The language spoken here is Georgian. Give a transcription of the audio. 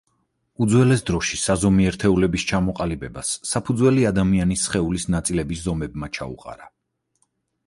უძველეს დროში საზომი ერთეულების ჩამოყალიბებას საფუძველი, ადამიანის სხეულის ნაწილების ზომებმა ჩაუყარა.